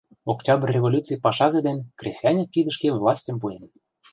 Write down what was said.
Октябрь революций пашазе ден кресаньык кидышке властьым пуэн.